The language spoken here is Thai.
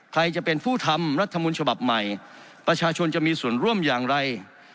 ใครจะเป็นผู้ทำรัฐมนต์ฉบับใหม่ประชาชนจะมีส่วนร่วมอย่างไร